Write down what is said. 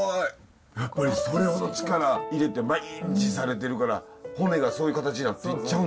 やっぱりそれほど力入れて毎日されてるから骨がそういう形になっていっちゃうんですね。